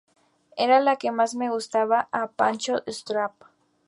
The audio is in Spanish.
Era la que más le gustaba a Pancho Straub.